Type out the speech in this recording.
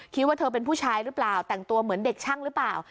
คิดว่าเธอเป็นผู้ชายหรือเปล่าแต่งตัวเหมือนเด็กช่างหรือเปล่า